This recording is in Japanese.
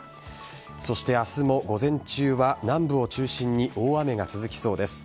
そして、明日も午前中は南部を中心に大雨が続きそうです。